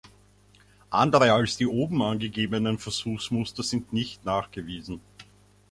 Andere als die oben angegebenen Versuchsmuster sind nicht nachgewiesen.